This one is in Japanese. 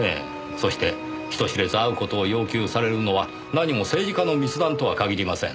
そして人知れず会う事を要求されるのは何も政治家の密談とは限りません。